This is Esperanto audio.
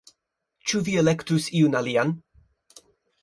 Ĉu vi elektus iun alian